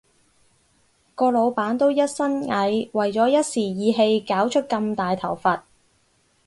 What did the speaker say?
個老闆都一身蟻，為咗一時意氣搞出咁大頭佛